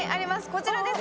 こちらです。